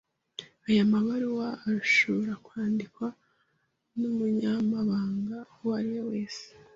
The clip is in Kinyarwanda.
Aya mabaruwa arashobora kwandikwa numunyamabanga uwo ari we wese.